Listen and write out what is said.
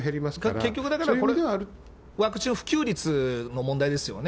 結局だから、ワクチン普及率の問題ですよね。